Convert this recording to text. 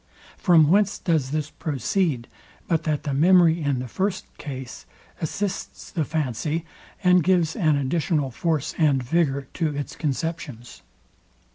From whence does this proceed, but that the memory in the first case assists the fancy and gives an additional force and vigour to its conceptions?